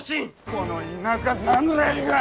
この田舎侍が！